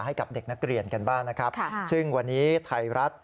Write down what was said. ให้กับเด็กนักเรียนกันบ้างนะครับซึ่งวันนี้ไทยรัฐ